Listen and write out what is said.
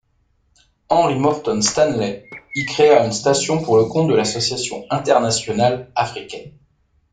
Henry Morton Stanley y créa une station pour le compte de l'Association internationale africaine.